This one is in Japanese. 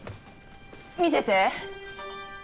見せて。